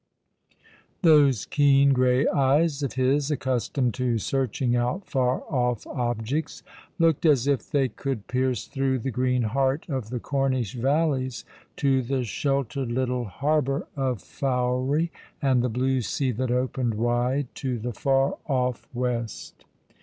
Those keen, grey eyes of his, accustomed to search ing out far off objects, looked as if they could pierce tlirough the green heart of the Cornish valleys to the slioUerod littlg 74 AU along the River, harbour of Fowey and the blue sea that opened wide to the far off West.